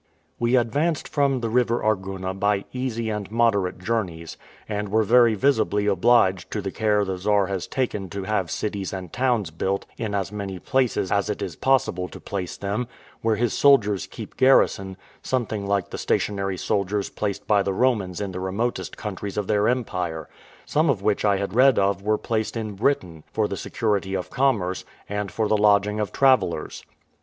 We advanced from the river Arguna by easy and moderate journeys, and were very visibly obliged to the care the Czar has taken to have cities and towns built in as many places as it is possible to place them, where his soldiers keep garrison, something like the stationary soldiers placed by the Romans in the remotest countries of their empire; some of which I had read of were placed in Britain, for the security of commerce, and for the lodging of travellers.